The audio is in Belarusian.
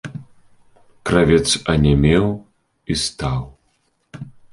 Кравец анямеў і стаў.